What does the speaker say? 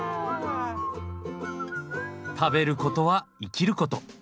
食べることは生きること。